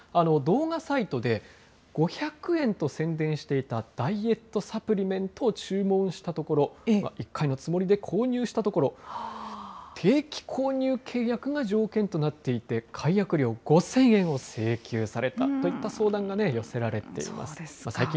動画サイトで５００円と宣伝していたダイエットサプリメントを注文したところ、１回のつもりで購入したところ、定期購入契約が条件となっていて、解約料５０００円を請求されたといった相談が寄せられています。